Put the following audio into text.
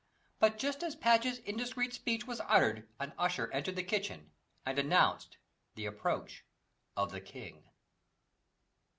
But just as Patch's indiscreet speech was uttered an usher entered the kitchen and announced the approach of the king.